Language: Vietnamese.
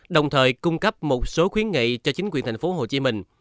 đồng thời cung cấp một số khuyến nghị cho chính quyền tp hcm